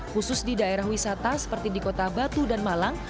khusus di daerah wisata seperti di kota batu dan malang